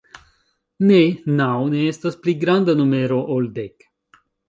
Ne, naŭ ne estas pli granda numero ol dek.